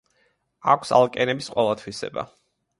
აქვს ალკენების ყველა თვისება.